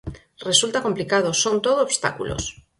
Resulta complicado, son todo obstáculos.